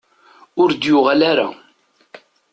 Ur d-yuɣal ara.